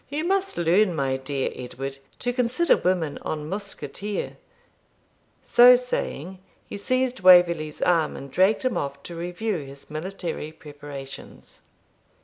You must learn, my dear Edward, to consider women en mousquetaire.' So saying, he seized Waverley's arm and dragged him off to review his military preparations.